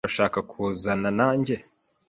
Urashaka kuzana nanjye?